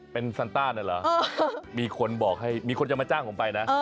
เป็นซันต้าเนี่ยเหรอมีคนบอกให้มีคนจะมาจ้างผมไปนะ